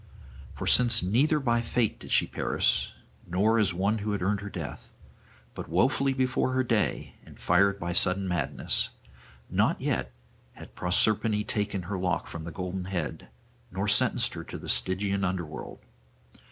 For since neither by fate did she perish, nor as one who had earned her death, but woefully before her day, and fired by sudden madness, not yet had Proserpine taken her lock from the golden head, nor sentenced her to the Stygian under world.